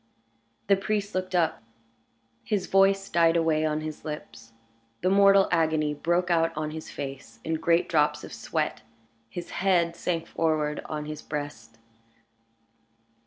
The priest looked up; his voice died away on his lips; the mortal agony broke out on his face in great drops of sweat; his head sank forward on his breast.